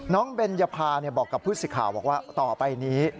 เบนยภาบอกกับผู้สิทธิ์ข่าวบอกว่าต่อไปนี้